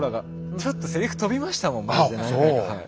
ちょっとセリフ飛びましたもんマジで何回か。